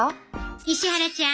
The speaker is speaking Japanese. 石原ちゃん。